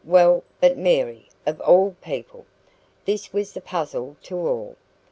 Well but Mary, of all people!" (This was the puzzle to all.)